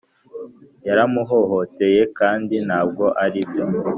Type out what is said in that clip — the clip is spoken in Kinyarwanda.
yaramuhohoteye kndi ntabwo aribyo